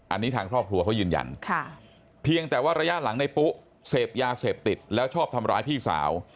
อันนี้ทางครอบครัวเขายืนยันเพียงแต่ว่าระยะหลังในปุ๊เสพยาเสพติดแล้วชอบทำร้ายพี่สาว